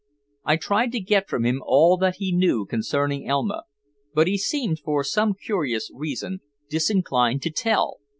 I tried to get from him all that he knew concerning Elma, but he seemed, for some curious reason, disinclined to tell.